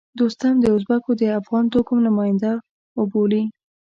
دوستم د ازبکو د افغان توکم نماینده وبولي.